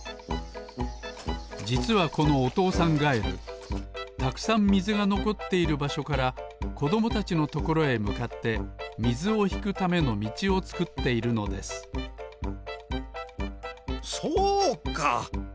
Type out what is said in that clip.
じつはこのおとうさんガエルたくさんみずがのこっているばしょからこどもたちのところへむかってみずをひくためのみちをつくっているのですそうか！